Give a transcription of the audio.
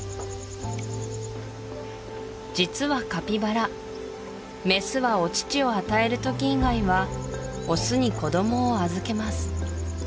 実はカピバラメスはお乳を与える時以外はオスに子どもを預けます